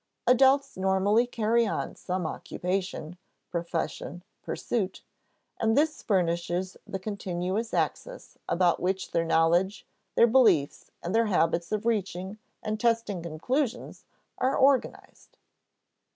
Adults normally carry on some occupation, profession, pursuit; and this furnishes the continuous axis about which their knowledge, their beliefs, and their habits of reaching and testing conclusions are organized.